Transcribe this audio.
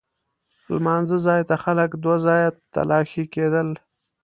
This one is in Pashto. لمانځه ځای ته خلک دوه ځایه تلاښي کېدل.